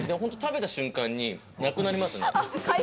これマジで、食べた瞬間になくなりますね。